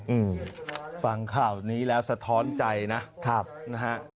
อืมฟังข่าวนี้แล้วสะท้อนใจนะครับนะฮะ